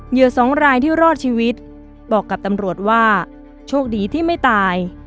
เหยื่อสองรายที่รอดชีวิตบอกกับตำรวจว่าโชคดีที่ไม่ตาย